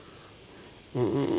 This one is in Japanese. うん。